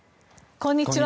こんにちは。